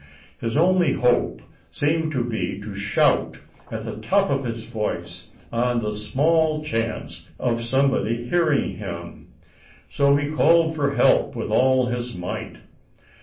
His only hope seemed to be to shout at the top of his voice on the small chance of somebody hearing him. So he called for help with all his might.